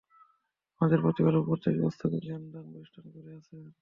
আমাদের প্রতিপালক প্রত্যেক বস্তুকে জ্ঞান দ্বারা বেষ্টন করে আছেন।